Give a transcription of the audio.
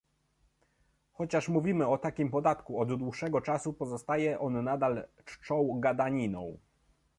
Chociaż mówimy o takim podatku od dłuższego czasu, pozostaje on nadal czczą gadaniną